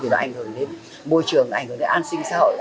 thì nó ảnh hưởng đến môi trường ảnh hưởng đến an sinh xã hội